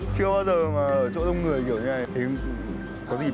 chưa bao giờ mà ở chỗ đông người kiểu như thế này